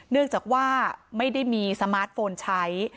เนื่องจากว่าไม่ได้มีสมาร์ทโฟนใช้